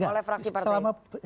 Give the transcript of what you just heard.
oleh fraksi partai